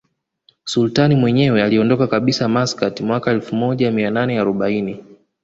Sultani mwenyewe aliondoka kabisa Maskat mwaka elfu moja mia nane arobaini